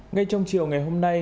ngay trong chiều ngày hôm nay